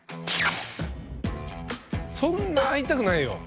そんな会いたくないよ。